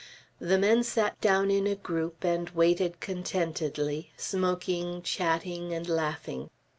The men sat down in a group and waited contentedly, smoking, chatting, and laughing.